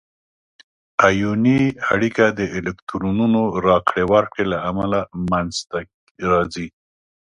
آیوني اړیکه د الکترونونو راکړې ورکړې له امله منځ ته راځي.